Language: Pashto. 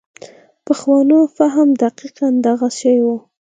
پخوانو فهم دقیقاً دغه شی و.